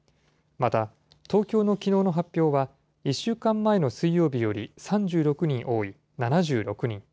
また、東京のきのうの発表は、１週間前の水曜日より３６人多い７６人。